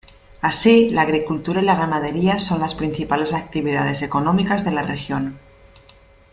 Así, la agricultura y la ganadería son las principales actividades económicas de la región.